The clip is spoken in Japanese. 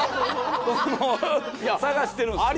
もう探してるんですよ。